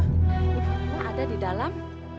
ibu fatima ada di dalam